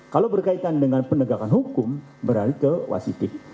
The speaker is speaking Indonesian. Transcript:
kalau berkaitan dengan penegakan hukum beralih ke wasidik